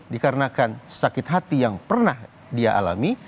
dikarenakan sakit hati yang pernah dia alami